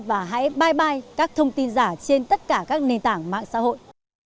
và hãy bye bye các thông tin giả trên tất cả các nền tảng mạng xã hội